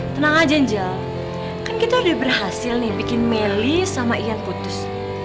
tenang aja kan kita udah berhasil nih bikin melly sama ian putus